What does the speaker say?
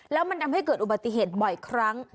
แล้วมันทำให้เกิดอุบัติเหตุบ่อยครั้ง